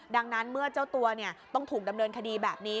ดังนั้นเมื่อเจ้าตัวต้องถูกดำเนินคดีแบบนี้